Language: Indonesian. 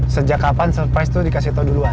sejak kapan surprise tuh dikasih tau duluan